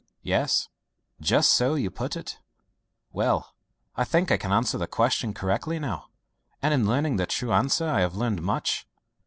"Yes, just so you put it. Well, I think I can answer the question correctly now, and in learning the true answer I have learned much.